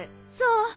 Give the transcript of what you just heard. そう？